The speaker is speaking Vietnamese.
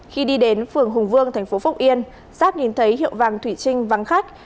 khi đi đến phường hùng vương tp phúc yên giáp nhìn thấy hiệu vàng thủy trinh vắng khách